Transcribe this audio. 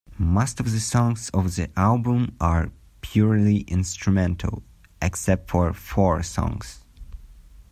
Most of the songs of the album are purely instrumental, except for four songs.